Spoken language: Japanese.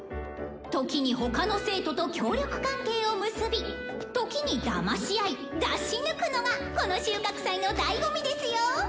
「時に他の生徒と協力関係を結び時にだましあい出し抜くのがこの収穫祭のだいご味ですよ！」。